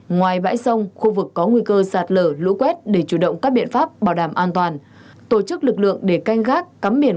ngoài bãi sông khu vực có nguy cơ sạt lở lũ quét để chủ động các biện pháp bảo đảm an toàn tổ chức lực lượng để canh gác cắm biển